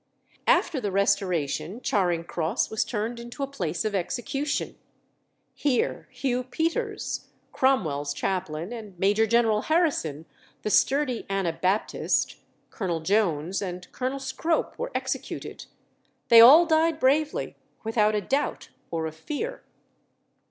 After the Restoration Charing Cross was turned into a place of execution. Here Hugh Peters, Cromwell's chaplain, and Major General Harrison, the sturdy Anabaptist, Colonel Jones, and Colonel Scrope were executed. They all died bravely, without a doubt or a fear.